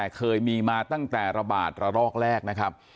เคยมีมาตั้งแต่ระบาดระลอกแรกนะครับ